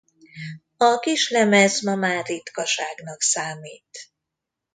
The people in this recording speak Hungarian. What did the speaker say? A kislemez ma már ritkaságnak számít.